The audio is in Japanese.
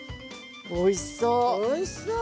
おいしそう。